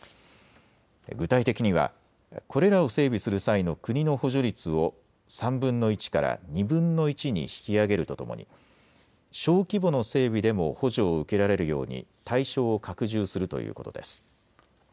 具体的にはこれらを整備する際の国の補助率を３分の１から２分の１に引き上げるとともに小規模の整備でも補助を受けられるように対象を拡充するということです。